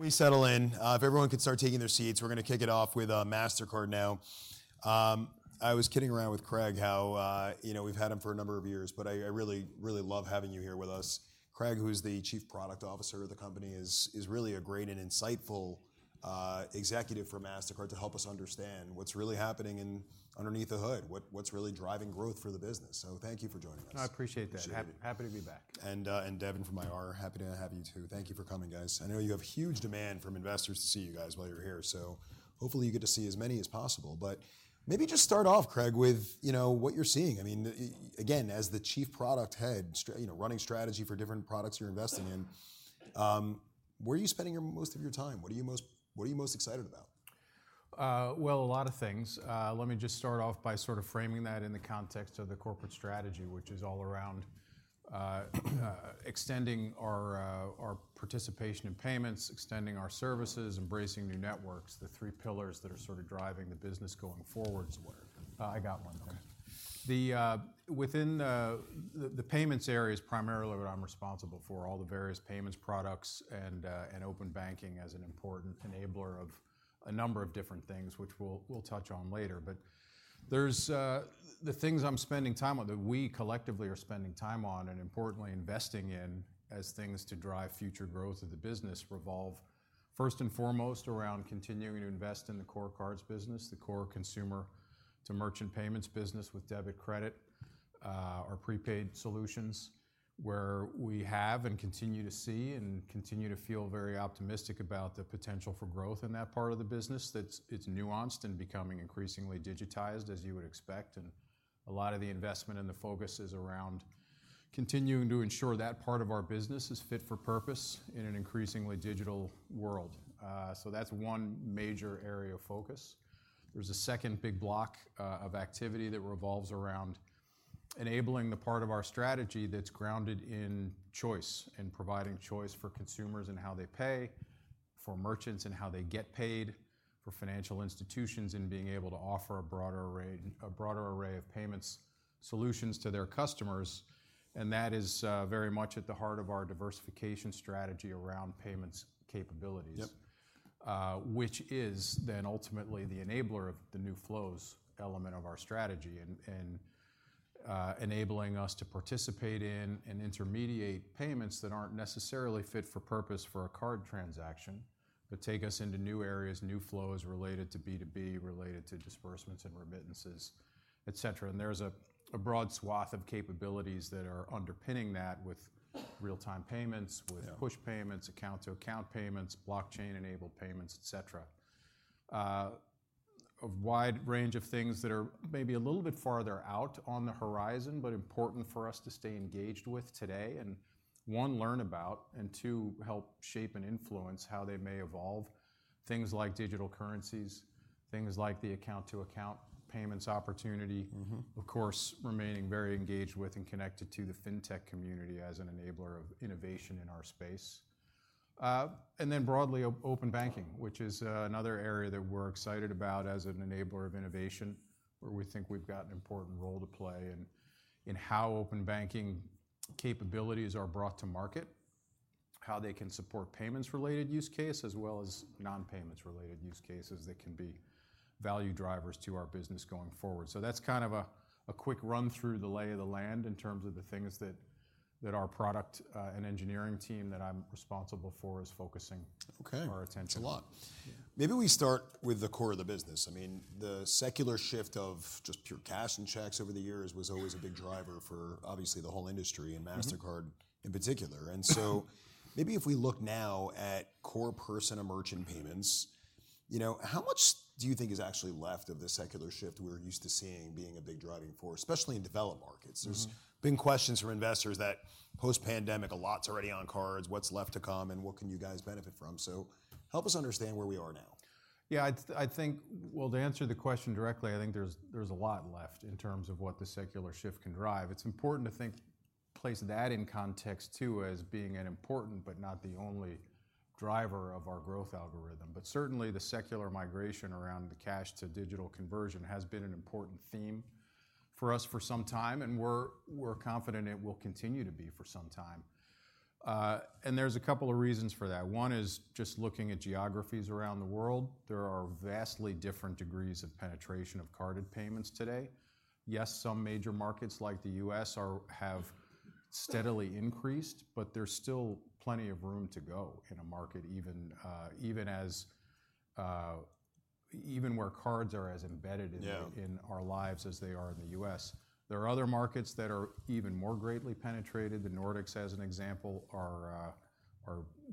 We settle in. If everyone could start taking their seats, we're going to kick it off with Mastercard now. I was kidding around with Craig how we've had him for a number of years, but I really love having you here with us. Craig, who's the Chief Product Officer of the company, is really a great and insightful executive for Mastercard to help us understand what's really happening underneath the hood, what's really driving growth for the business. So thank you for joining us. I appreciate that. Happy to be back. Devin from IR, happy to have you too. Thank you for coming, guys. I know you have huge demand from investors to see you guys while you're here. So hopefully you get to see as many as possible. But maybe just start off, Craig, with what you're seeing. I mean, again, as the Chief Product Head, running strategy for different products you're investing in, where are you spending most of your time? What are you most excited about? Well, a lot of things. Let me just start off by sort of framing that in the context of the corporate strategy, which is all around extending our participation in payments, extending our services, embracing new networks, the three pillars that are sort of driving the business going forward. I got one thing. Within the payments areas, primarily what I'm responsible for, all the various payments products and open banking as an important enabler of a number of different things, which we'll touch on later. But the things I'm spending time on that we collectively are spending time on and importantly investing in as things to drive future growth of the business revolve first and foremost around continuing to invest in the core cards business, the core consumer-to-merchant payments business with debit credit or prepaid solutions, where we have and continue to see and continue to feel very optimistic about the potential for growth in that part of the business. It's nuanced and becoming increasingly digitized, as you would expect. A lot of the investment and the focus is around continuing to ensure that part of our business is fit for purpose in an increasingly digital world. That's one major area of focus. There's a second big block of activity that revolves around enabling the part of our strategy that's grounded in choice and providing choice for consumers and how they pay, for merchants and how they get paid, for financial institutions in being able to offer a broader array of payments solutions to their customers. And that is very much at the heart of our diversification strategy around payments capabilities, which is then ultimately the enabler of the new flows element of our strategy and enabling us to participate in and intermediate payments that aren't necessarily fit for purpose for a card transaction, but take us into new areas, new flows related to B2B, related to disbursements and remittances, et cetera. There's a broad swath of capabilities that are underpinning that with real-time payments, with push payments, account-to-account payments, blockchain-enabled payments, et cetera, a wide range of things that are maybe a little bit farther out on the horizon but important for us to stay engaged with today and, one, learn about and, two, help shape and influence how they may evolve, things like digital currencies, things like the account-to-account payments opportunity, of course, remaining very engaged with and connected to the fintech community as an enabler of innovation in our space. And then broadly, open banking, which is another area that we're excited about as an enabler of innovation, where we think we've got an important role to play in how open banking capabilities are brought to market, how they can support payments-related use case, as well as non-payments-related use cases that can be value drivers to our business going forward. So that's kind of a quick run-through of the lay of the land in terms of the things that our product and engineering team that I'm responsible for is focusing our attention on. OK, that's a lot. Maybe we start with the core of the business. I mean, the secular shift of just pure cash and checks over the years was always a big driver for, obviously, the whole industry and Mastercard in particular. So maybe if we look now at core person-to-merchant payments, how much do you think is actually left of the secular shift we're used to seeing being a big driving force, especially in developed markets? There's been questions from investors that post-pandemic, a lot's already on cards. What's left to come, and what can you guys benefit from? Help us understand where we are now. Yeah, I think, well, to answer the question directly, I think there's a lot left in terms of what the secular shift can drive. It's important to place that in context too as being an important but not the only driver of our growth algorithm. But certainly, the secular migration around the cash-to-digital conversion has been an important theme for us for some time. And we're confident it will continue to be for some time. And there's a couple of reasons for that. One is just looking at geographies around the world. There are vastly different degrees of penetration of carded payments today. Yes, some major markets like the U.S. have steadily increased, but there's still plenty of room to go in a market, even where cards are as embedded in our lives as they are in the U.S. There are other markets that are even more greatly penetrated. The Nordics, as an example, are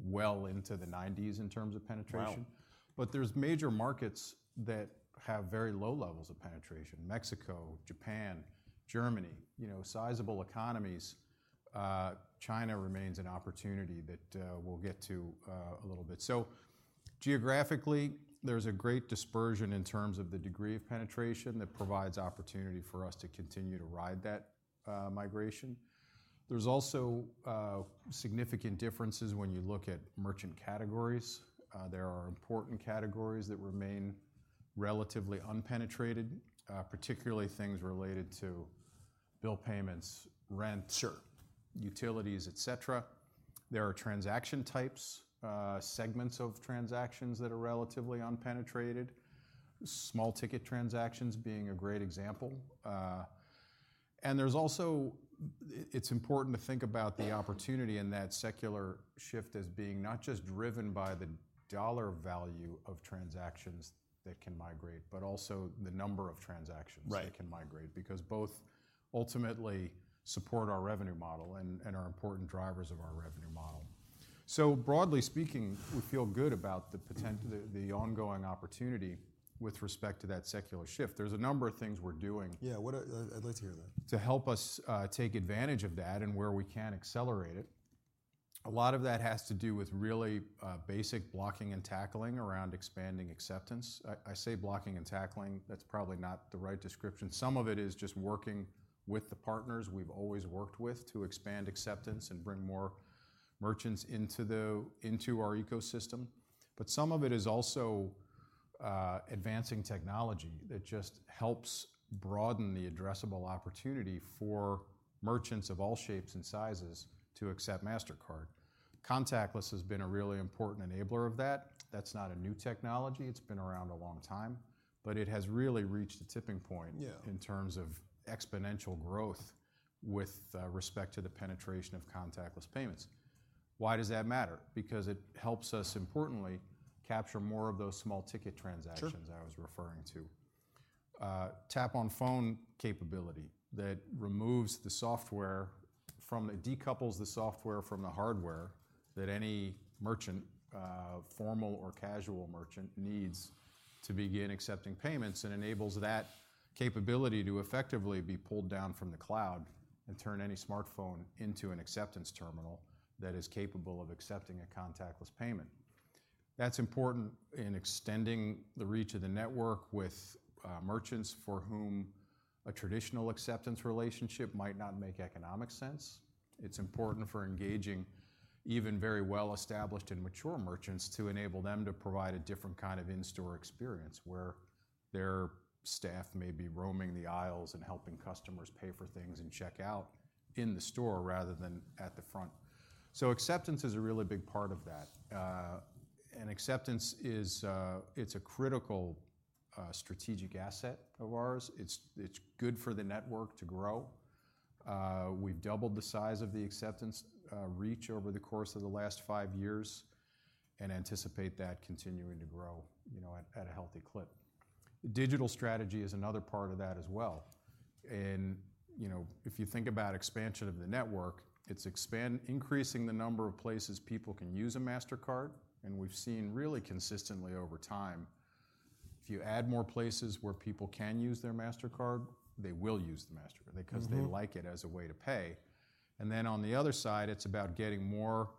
well into the 90% in terms of penetration. But there's major markets that have very low levels of penetration: Mexico, Japan, Germany, sizable economies. China remains an opportunity that we'll get to a little bit. So geographically, there's a great dispersion in terms of the degree of penetration that provides opportunity for us to continue to ride that migration. There's also significant differences when you look at merchant categories. There are important categories that remain relatively unpenetrated, particularly things related to bill payments, rent, utilities, et cetera. There are transaction types, segments of transactions that are relatively unpenetrated, small-ticket transactions being a great example. It's important to think about the opportunity in that secular shift as being not just driven by the dollar value of transactions that can migrate, but also the number of transactions that can migrate, because both ultimately support our revenue model and are important drivers of our revenue model. Broadly speaking, we feel good about the ongoing opportunity with respect to that secular shift. There's a number of things we're doing. Yeah, I'd like to hear that. To help us take advantage of that and where we can accelerate it. A lot of that has to do with really basic blocking and tackling around expanding acceptance. I say blocking and tackling. That's probably not the right description. Some of it is just working with the partners we've always worked with to expand acceptance and bring more merchants into our ecosystem. But some of it is also advancing technology that just helps broaden the addressable opportunity for merchants of all shapes and sizes to accept Mastercard. Contactless has been a really important enabler of that. That's not a new technology. It's been around a long time. But it has really reached a tipping point in terms of exponential growth with respect to the penetration of contactless payments. Why does that matter? Because it helps us, importantly, capture more of those small-ticket transactions I was referring to, Tap on Phone capability that decouples the software from the hardware that any merchant, formal or casual merchant, needs to begin accepting payments and enables that capability to effectively be pulled down from the cloud and turn any smartphone into an acceptance terminal that is capable of accepting a contactless payment. That's important in extending the reach of the network with merchants for whom a traditional acceptance relationship might not make economic sense. It's important for engaging even very well-established and mature merchants to enable them to provide a different kind of in-store experience, where their staff may be roaming the aisles and helping customers pay for things and check out in the store rather than at the front. So acceptance is a really big part of that. Acceptance, it's a critical strategic asset of ours. It's good for the network to grow. We've doubled the size of the acceptance reach over the course of the last five years and anticipate that continuing to grow at a healthy clip. Digital strategy is another part of that as well. And if you think about expansion of the network, it's increasing the number of places people can use a Mastercard. And we've seen really consistently over time, if you add more places where people can use their Mastercard, they will use the Mastercard because they like it as a way to pay. And then on the other side, it's about getting more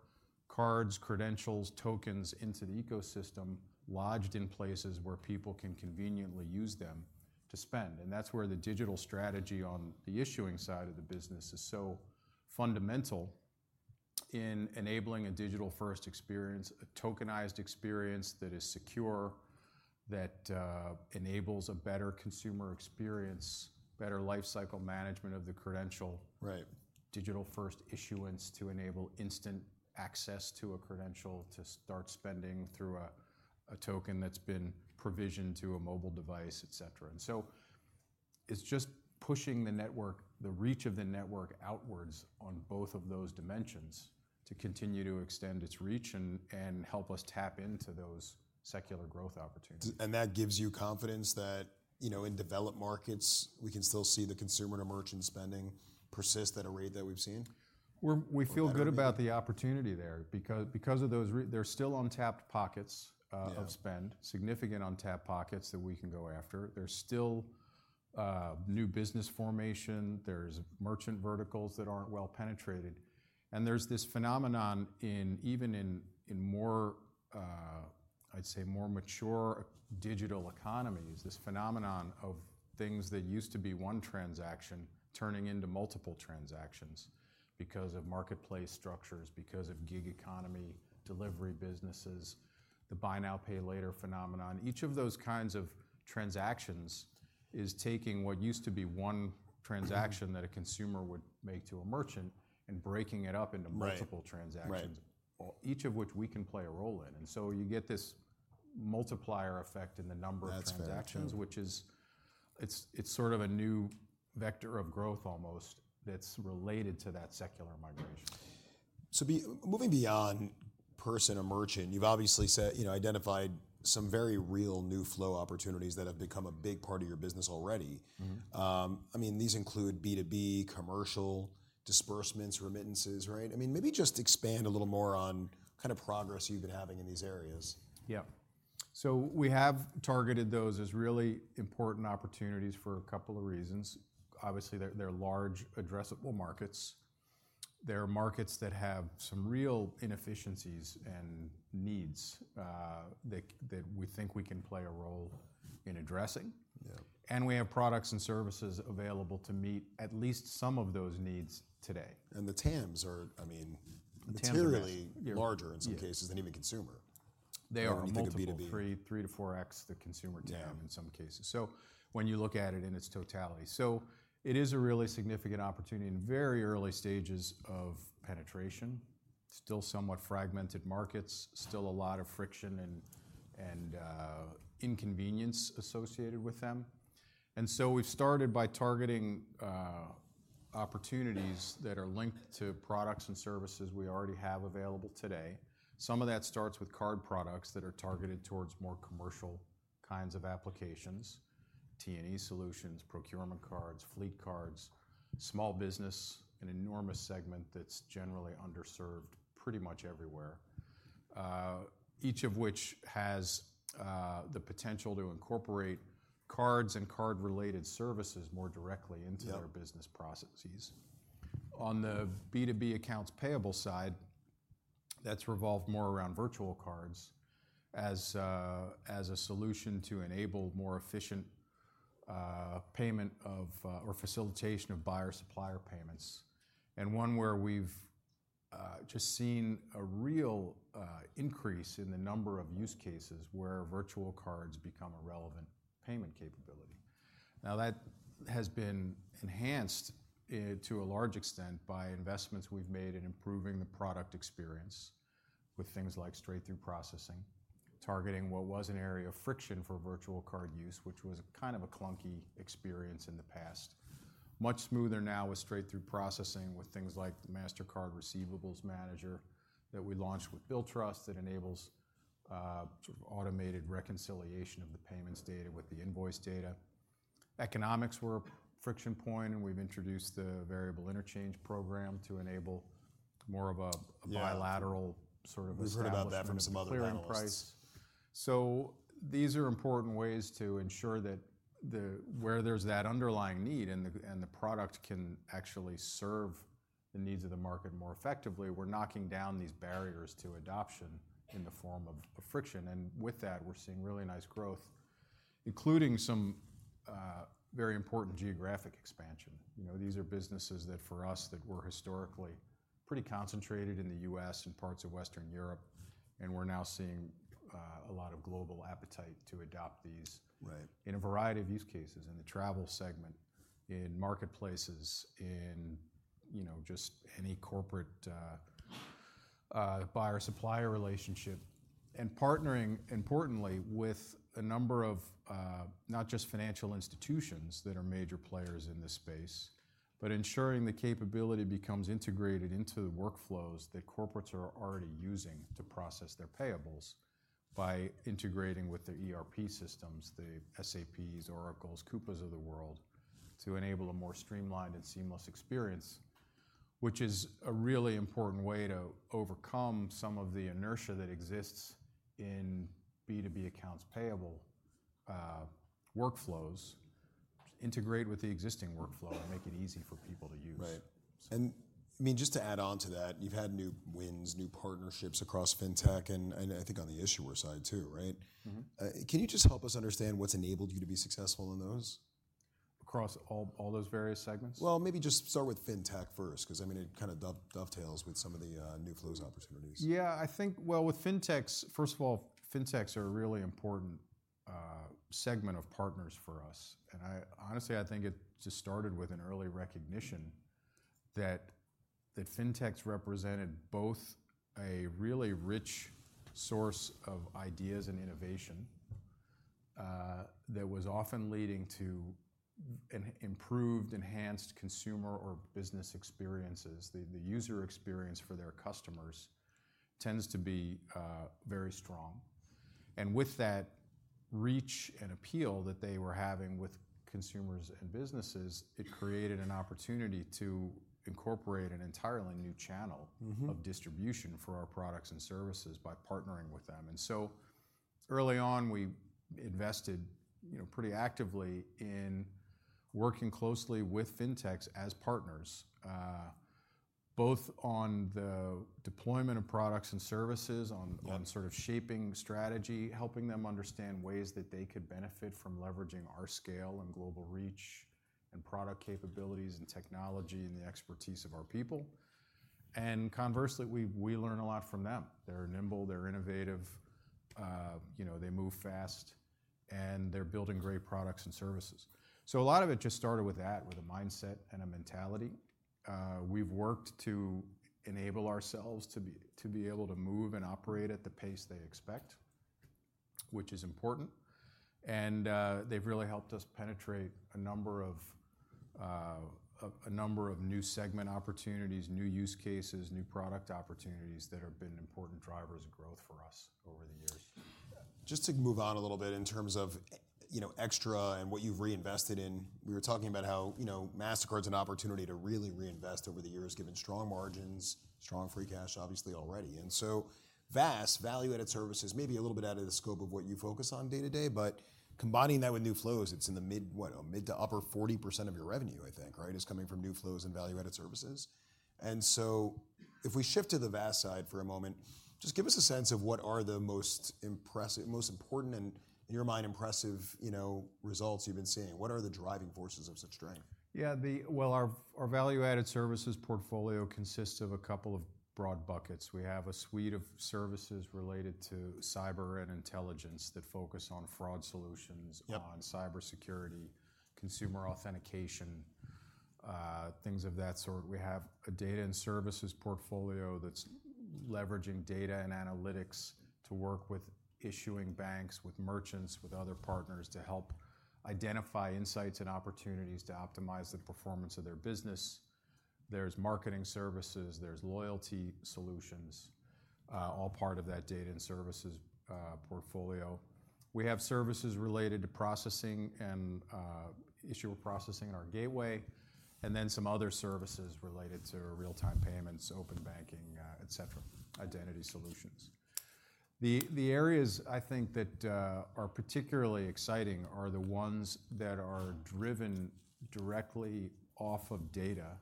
cards, credentials, tokens into the ecosystem lodged in places where people can conveniently use them to spend. And that's where the digital strategy on the issuing side of the business is so fundamental in enabling a digital-first experience, a tokenized experience that is secure, that enables a better consumer experience, better lifecycle management of the credential, digital-first issuance to enable instant access to a credential to start spending through a token that's been provisioned to a mobile device, et cetera. And so it's just pushing the network, the reach of the network outwards on both of those dimensions to continue to extend its reach and help us tap into those secular growth opportunities. That gives you confidence that in developed markets, we can still see the consumer-to-merchant spending persist at a rate that we've seen? We feel good about the opportunity there because of those there's still untapped pockets of spend, significant untapped pockets that we can go after. There's still new business formation. There's merchant verticals that aren't well-penetrated. And there's this phenomenon in even in more, I'd say, more mature digital economies, this phenomenon of things that used to be one transaction turning into multiple transactions because of marketplace structures, because of gig economy delivery businesses, the buy now, pay later phenomenon. Each of those kinds of transactions is taking what used to be one transaction that a consumer would make to a merchant and breaking it up into multiple transactions, each of which we can play a role in. And so you get this multiplier effect in the number of transactions, which is it's sort of a new vector of growth almost that's related to that secular migration. So moving beyond person-to-merchant, you've obviously identified some very real new flow opportunities that have become a big part of your business already. I mean, these include B2B, commercial, disbursements, remittances, right? I mean, maybe just expand a little more on kind of progress you've been having in these areas. Yeah. So we have targeted those as really important opportunities for a couple of reasons. Obviously, they're large addressable markets. They're markets that have some real inefficiencies and needs that we think we can play a role in addressing. And we have products and services available to meet at least some of those needs today. The TAMs are, I mean, materially larger in some cases than even consumer. They are multiples of 3-4x the consumer TAM in some cases, so when you look at it in its totality. So it is a really significant opportunity in very early stages of penetration, still somewhat fragmented markets, still a lot of friction and inconvenience associated with them. We've started by targeting opportunities that are linked to products and services we already have available today. Some of that starts with card products that are targeted towards more commercial kinds of applications, T&E solutions, procurement cards, fleet cards, small business, an enormous segment that's generally underserved pretty much everywhere, each of which has the potential to incorporate cards and card-related services more directly into their business processes. On the B2B accounts payable side, that's evolved more around virtual cards as a solution to enable more efficient payment of or facilitation of buyer-supplier payments, and one where we've just seen a real increase in the number of use cases where virtual cards become a relevant payment capability. Now, that has been enhanced to a large extent by investments we've made in improving the product experience with things like straight-through processing, targeting what was an area of friction for virtual card use, which was kind of a clunky experience in the past. Much smoother now with straight-through processing with things like the Mastercard Receivables Manager that we launched with Billtrust that enables automated reconciliation of the payments data with the invoice data. Economics were a friction point. And we've introduced the Variable Interchange Program to enable more of a bilateral sort of. We've heard about that from some other panelists. Clearance price. So these are important ways to ensure that where there's that underlying need and the product can actually serve the needs of the market more effectively, we're knocking down these barriers to adoption in the form of friction. And with that, we're seeing really nice growth, including some very important geographic expansion. These are businesses that, for us, that were historically pretty concentrated in the U.S. and parts of Western Europe. We're now seeing a lot of global appetite to adopt these in a variety of use cases, in the travel segment, in marketplaces, in just any corporate buyer-supplier relationship, and partnering, importantly, with a number of not just financial institutions that are major players in this space, but ensuring the capability becomes integrated into the workflows that corporates are already using to process their payables by integrating with their ERP systems, the SAPs, Oracles, Coupa of the world, to enable a more streamlined and seamless experience, which is a really important way to overcome some of the inertia that exists in B2B accounts payable workflows, integrate with the existing workflow, and make it easy for people to use. And I mean, just to add on to that, you've had new wins, new partnerships across fintech, and I think on the issuer side, too, right? Can you just help us understand what's enabled you to be successful in those? Across all those various segments? Well, maybe just start with fintech first, because I mean, it kind of dovetails with some of the new flows opportunities. Yeah, I think well, with fintechs, first of all, fintechs are a really important segment of partners for us. And honestly, I think it just started with an early recognition that fintechs represented both a really rich source of ideas and innovation that was often leading to improved, enhanced consumer or business experiences. The user experience for their customers tends to be very strong. And with that reach and appeal that they were having with consumers and businesses, it created an opportunity to incorporate an entirely new channel of distribution for our products and services by partnering with them. And so early on, we invested pretty actively in working closely with fintechs as partners, both on the deployment of products and services, on sort of shaping strategy, helping them understand ways that they could benefit from leveraging our scale and global reach and product capabilities and technology and the expertise of our people. And conversely, we learn a lot from them. They're nimble. They're innovative. They move fast. And they're building great products and services. So a lot of it just started with that, with a mindset and a mentality. We've worked to enable ourselves to be able to move and operate at the pace they expect, which is important. And they've really helped us penetrate a number of new segment opportunities, new use cases, new product opportunities that have been important drivers of growth for us over the years. Just to move on a little bit in terms of extra and what you've reinvested in, we were talking about how Mastercard's an opportunity to really reinvest over the years, given strong margins, strong free cash, obviously, already. And so VAS, value-added services, maybe a little bit out of the scope of what you focus on day to day. But combining that with new flows, it's in the mid- to upper 40% of your revenue, I think, right, is coming from new flows and value-added services. And so if we shift to the VAS side for a moment, just give us a sense of what are the most impressive, most important, and in your mind, impressive results you've been seeing. What are the driving forces of such strength? Yeah, well, our value-added services portfolio consists of a couple of broad buckets. We have a suite of services related to Cyber & Intelligence that focus on fraud solutions, on cybersecurity, consumer authentication, things of that sort. We have a Data & Services portfolio that's leveraging data and analytics to work with issuing banks, with merchants, with other partners to help identify insights and opportunities to optimize the performance of their business. There's marketing services. There's loyalty solutions, all part of that Data & Services portfolio. We have services related to processing and issuer processing in our gateway, and then some other services related to real-time payments, open banking, et cetera, identity solutions. The areas, I think, that are particularly exciting are the ones that are driven directly off of data,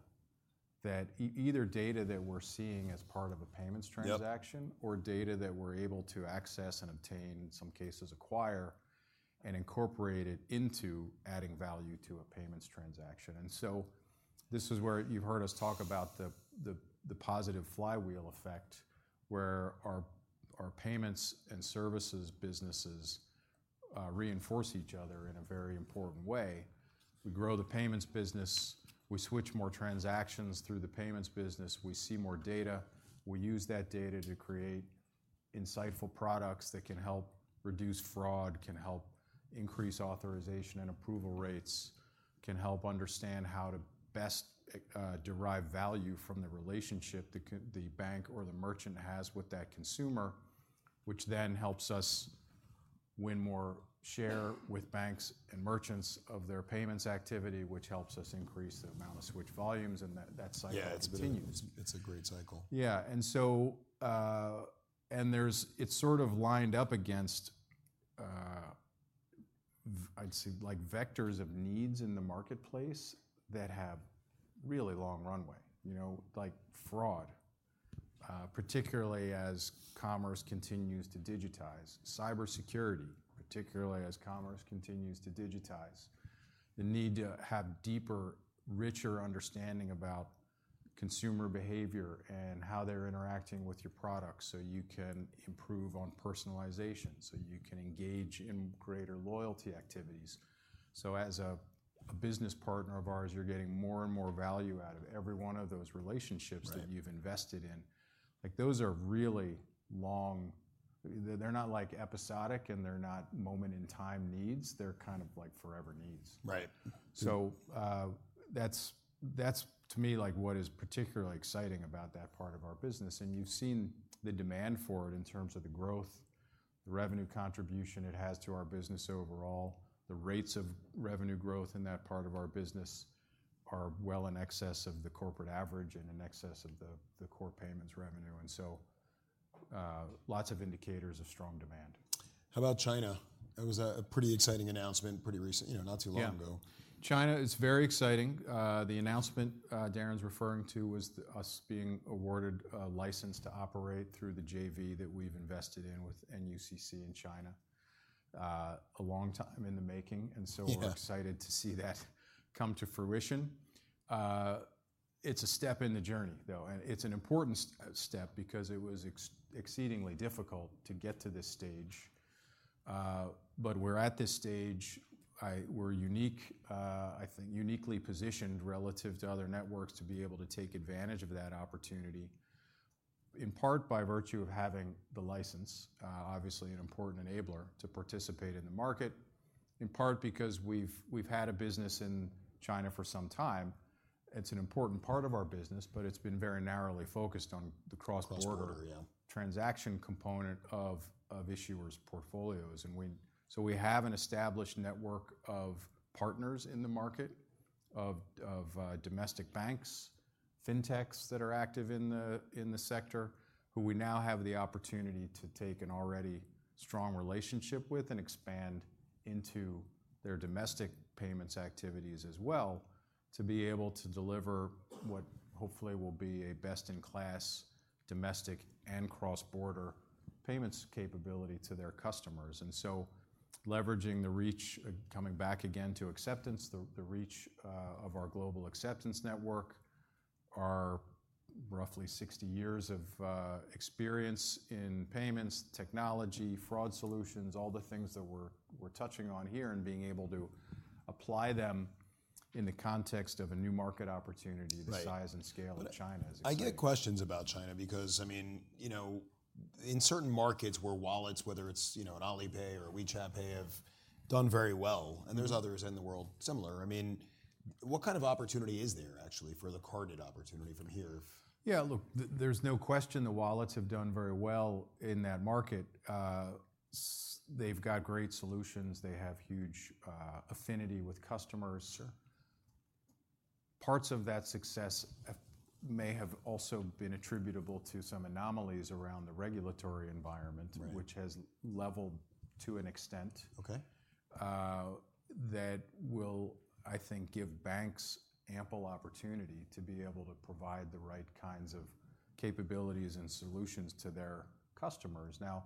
either data that we're seeing as part of a payments transaction or data that we're able to access and obtain, in some cases acquire, and incorporate it into adding value to a payments transaction. And so this is where you've heard us talk about the positive flywheel effect, where our payments and services businesses reinforce each other in a very important way. We grow the payments business. We switch more transactions through the payments business. We see more data. We use that data to create insightful products that can help reduce fraud, can help increase authorization and approval rates, can help understand how to best derive value from the relationship the bank or the merchant has with that consumer, which then helps us win more share with banks and merchants of their payments activity, which helps us increase the amount of switch volumes. That cycle continues. Yeah, it's a great cycle. Yeah. And so it's sort of lined up against, I'd say, vectors of needs in the marketplace that have really long runway, like fraud, particularly as commerce continues to digitize, cybersecurity, particularly as commerce continues to digitize, the need to have deeper, richer understanding about consumer behavior and how they're interacting with your products so you can improve on personalization, so you can engage in greater loyalty activities. So as a business partner of ours, you're getting more and more value out of every one of those relationships that you've invested in. Those are really long. They're not episodic. And they're not moment-in-time needs. They're kind of like forever needs. So that's, to me, what is particularly exciting about that part of our business. And you've seen the demand for it in terms of the growth, the revenue contribution it has to our business overall. The rates of revenue growth in that part of our business are well in excess of the corporate average and in excess of the core payments revenue. And so lots of indicators of strong demand. How about China? That was a pretty exciting announcement pretty recent, not too long ago. Yeah, China is very exciting. The announcement Darrin's referring to was us being awarded a license to operate through the JV that we've invested in with NUCC in China, a long time in the making. And so we're excited to see that come to fruition. It's a step in the journey, though. And it's an important step because it was exceedingly difficult to get to this stage. But we're at this stage. We're unique, I think, uniquely positioned relative to other networks to be able to take advantage of that opportunity, in part by virtue of having the license, obviously, an important enabler to participate in the market, in part because we've had a business in China for some time. It's an important part of our business. But it's been very narrowly focused on the cross-border transaction component of issuers' portfolios. We have an established network of partners in the market, of domestic banks, fintechs that are active in the sector, who we now have the opportunity to take an already strong relationship with and expand into their domestic payments activities as well, to be able to deliver what hopefully will be a best-in-class domestic and cross-border payments capability to their customers. Leveraging the reach, coming back again to acceptance, the reach of our global acceptance network, our roughly 60 years of experience in payments, technology, fraud solutions, all the things that we're touching on here and being able to apply them in the context of a new market opportunity, the size and scale of China is exciting. I get questions about China because, I mean, in certain markets, where wallets, whether it's an Alipay or a WeChat Pay, have done very well and there's others in the world similar, I mean, what kind of opportunity is there, actually, for the carded opportunity from here? Yeah, look, there's no question the wallets have done very well in that market. They've got great solutions. They have huge affinity with customers. Parts of that success may have also been attributable to some anomalies around the regulatory environment, which has leveled to an extent that will, I think, give banks ample opportunity to be able to provide the right kinds of capabilities and solutions to their customers. Now,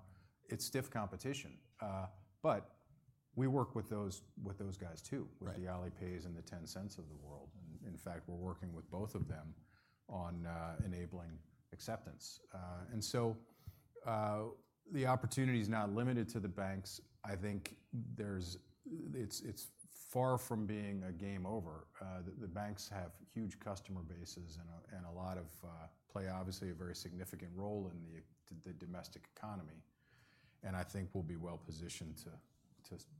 it's stiff competition. But we work with those guys, too, with the Alipays and the Tencent of the world. And in fact, we're working with both of them on enabling acceptance. And so the opportunity is not limited to the banks. I think it's far from being a game over. The banks have huge customer bases and a lot to play, obviously a very significant role in the domestic economy, and I think will be well positioned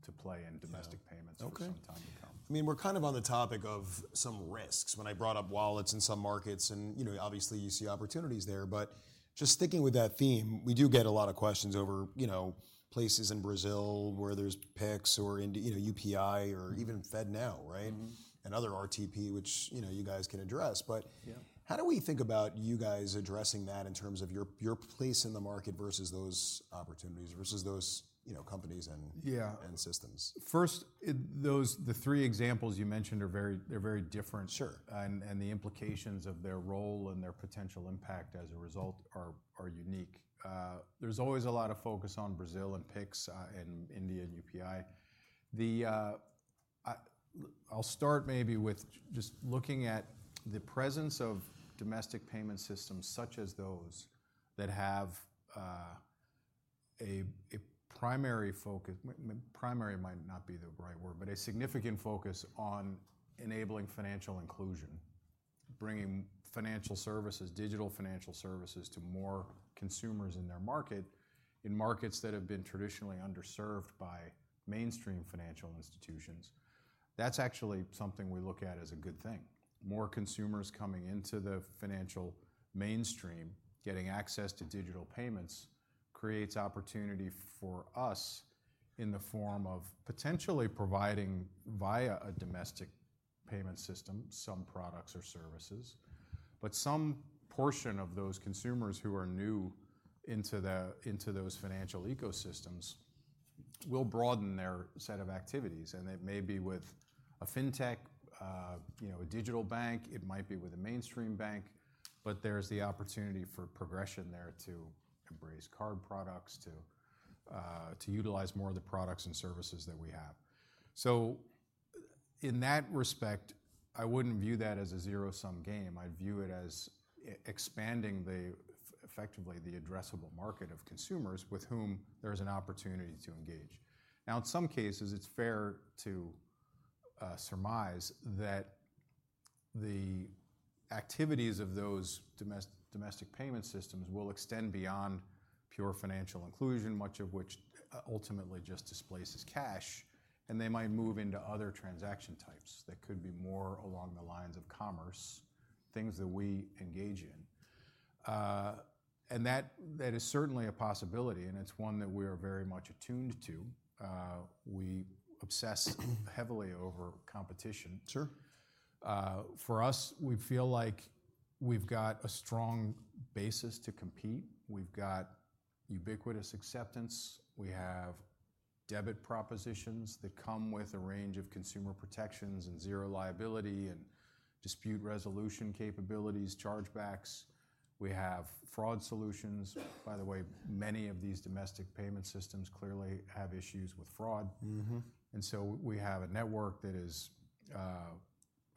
to play in domestic payments for some time to come. I mean, we're kind of on the topic of some risks when I brought up wallets in some markets. And obviously, you see opportunities there. But just sticking with that theme, we do get a lot of questions over places in Brazil where there's Pix or UPI or even FedNow, right, and other RTP, which you guys can address. But how do we think about you guys addressing that in terms of your place in the market versus those opportunities versus those companies and systems? First, the three examples you mentioned are very different. The implications of their role and their potential impact as a result are unique. There's always a lot of focus on Brazil and Pix and India and UPI. I'll start maybe with just looking at the presence of domestic payment systems such as those that have a primary focus primary might not be the right word, but a significant focus on enabling financial inclusion, bringing financial services, digital financial services to more consumers in their market, in markets that have been traditionally underserved by mainstream financial institutions. That's actually something we look at as a good thing. More consumers coming into the financial mainstream, getting access to digital payments, creates opportunity for us in the form of potentially providing via a domestic payment system some products or services. But some portion of those consumers who are new into those financial ecosystems will broaden their set of activities. It may be with a fintech, a digital bank. It might be with a mainstream bank. But there's the opportunity for progression there to embrace card products, to utilize more of the products and services that we have. So in that respect, I wouldn't view that as a zero-sum game. I'd view it as expanding, effectively, the addressable market of consumers with whom there's an opportunity to engage. Now, in some cases, it's fair to surmise that the activities of those domestic payment systems will extend beyond pure financial inclusion, much of which ultimately just displaces cash. They might move into other transaction types that could be more along the lines of commerce, things that we engage in. That is certainly a possibility. It's one that we are very much attuned to. We obsess heavily over competition. For us, we feel like we've got a strong basis to compete. We've got ubiquitous acceptance. We have debit propositions that come with a range of consumer protections and Zero Liability and dispute resolution capabilities, chargebacks. We have fraud solutions. By the way, many of these domestic payment systems clearly have issues with fraud. And so we have a network that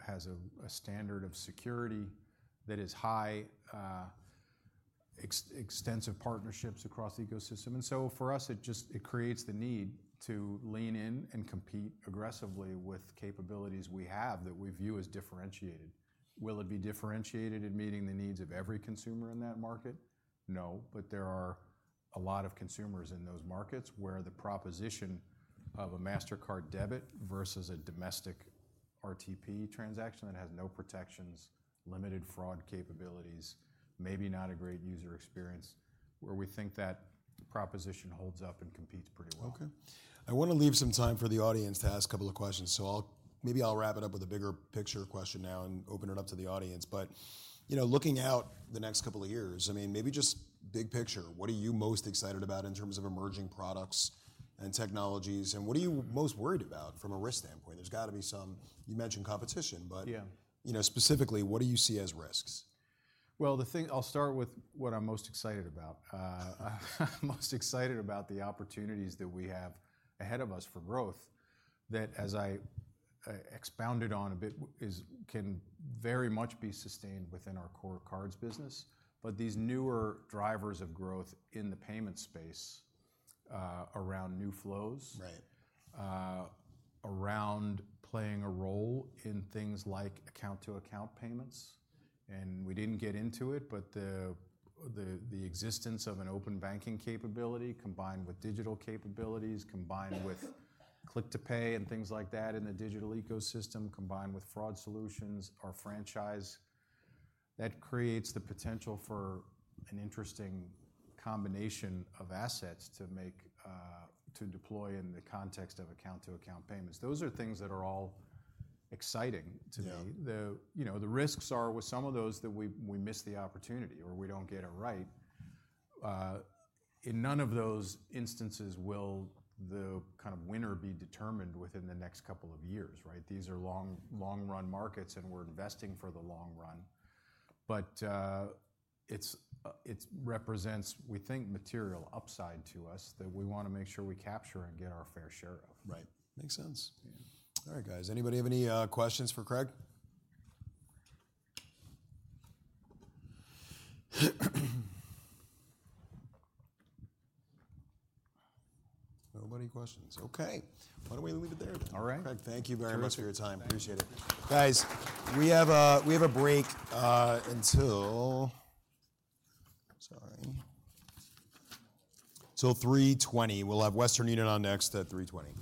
has a standard of security that is high, extensive partnerships across the ecosystem. And so for us, it creates the need to lean in and compete aggressively with capabilities we have that we view as differentiated. Will it be differentiated in meeting the needs of every consumer in that market? No. But there are a lot of consumers in those markets where the proposition of a Mastercard debit versus a domestic RTP transaction that has no protections, limited fraud capabilities, maybe not a great user experience, where we think that proposition holds up and competes pretty well. OK. I want to leave some time for the audience to ask a couple of questions. So maybe I'll wrap it up with a bigger picture question now and open it up to the audience. But looking out the next couple of years, I mean, maybe just big picture, what are you most excited about in terms of emerging products and technologies? And what are you most worried about from a risk standpoint? There's got to be some you mentioned competition. But specifically, what do you see as risks? Well, I'll start with what I'm most excited about. I'm most excited about the opportunities that we have ahead of us for growth that, as I expounded on a bit, can very much be sustained within our core cards business. But these newer drivers of growth in the payment space, around new flows, around playing a role in things like account-to-account payments and we didn't get into it but the existence of an open banking capability combined with digital capabilities, combined with Click to Pay and things like that in the digital ecosystem, combined with fraud solutions, our franchise, that creates the potential for an interesting combination of assets to deploy in the context of account-to-account payments. Those are things that are all exciting to me. The risks are with some of those that we miss the opportunity or we don't get it right. In none of those instances will the kind of winner be determined within the next couple of years, right? These are long-run markets. We're investing for the long run. It represents, we think, material upside to us that we want to make sure we capture and get our fair share of. Right. Makes sense. All right, guys. Anybody have any questions for Craig? Nobody? Questions? Okay. Why don't we leave it there then? Craig, thank you very much for your time. Appreciate it. Guys, we have a break until 3:20 P.M. We'll have Western Union on next at 3:20 P.M.